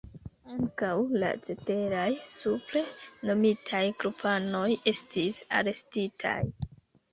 Ankaŭ la ceteraj supre nomitaj grupanoj estis arestitaj.